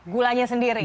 gulanya sendiri ya